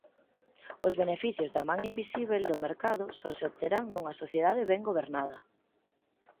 Os beneficios da man invisíbel do mercado só se obterán nunha "sociedade ben gobernada".